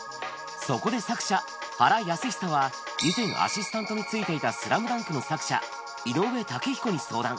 そこで作者、はらやすひさは、以前、アシスタントについていたスラムダンクの作者、井上雄彦に相談。